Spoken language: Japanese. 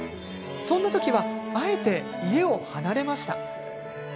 そんな時はあえて家を離れました。